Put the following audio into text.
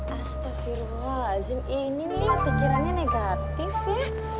astagfirullahaladzim ini nih pikirannya negatif ya